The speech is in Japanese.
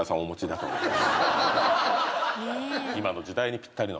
今の時代にぴったりの。